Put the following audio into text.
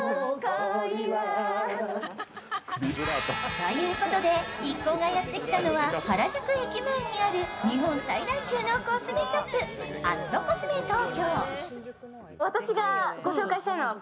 ということで一行がやってきたのは原宿駅前にある日本最大級のコスメショップ、＠ｃｏｓｍｅＴＯＫＹＯ。